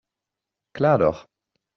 Klar doch.